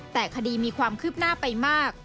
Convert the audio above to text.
แต่คดีมีความคืบหน้าไปมาก